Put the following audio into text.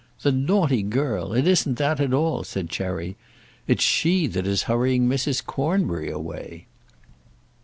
"The naughty girl! It isn't that at all," said Cherry. "It's she that is hurrying Mrs. Cornbury away."